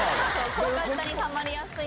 高架下にたまりやすい。